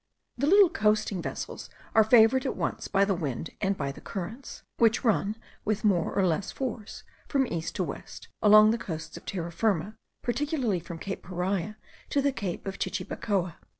The little coasting vessels are favoured at once by the wind and by the currents, which run with more or less force from east to west, along the coasts of Terra Firma, particularly from cape Paria to the cape of Chichibacoa.